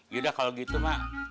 yaudah kalau gitu mak